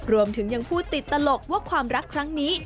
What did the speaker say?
รวมถึงยังพูดติดตลกว่าความรักครั้งนี้